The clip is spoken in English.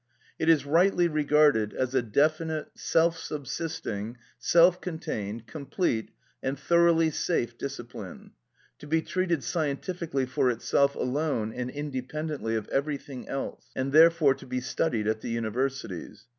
It is rightly regarded as a definite, self subsisting, self contained, complete, and thoroughly safe discipline; to be treated scientifically for itself alone and independently of everything else, and therefore to be studied at the universities.